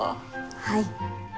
はい。